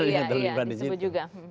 ya disebut juga